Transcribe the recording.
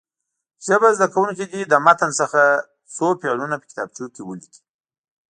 زده کوونکي دې له متن څخه څو فعلونه په کتابچو کې ولیکي.